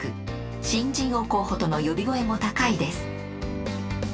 新人王候補との呼び声も高いです。